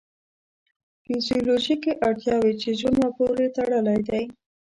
فیزیولوژیکې اړتیاوې چې ژوند ورپورې تړلی دی.